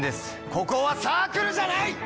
ここはサークルじゃない！